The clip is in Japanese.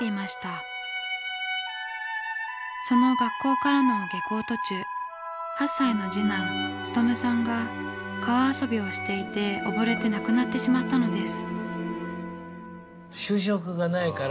その学校からの下校途中８歳の次男勉さんが川遊びをしていて溺れて亡くなってしまったのです。